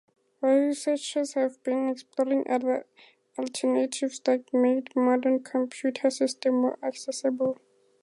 Researchers have been exploring other alternatives that make modern computer systems more accessible.